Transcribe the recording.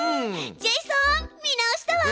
ジェイソン見直したわ！